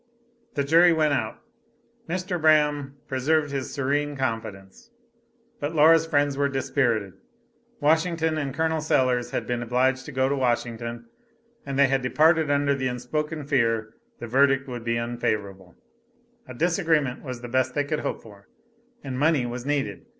The jury went out. Mr. Braham preserved his serene confidence, but Laura's friends were dispirited. Washington and Col. Sellers had been obliged to go to Washington, and they had departed under the unspoken fear the verdict would be unfavorable, a disagreement was the best they could hope for, and money was needed.